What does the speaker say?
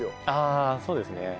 ああそうですね。